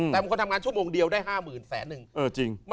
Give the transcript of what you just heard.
แต่บางคนทำงานชั่วโมงเดียวได้๕๐๐๐แสนนึง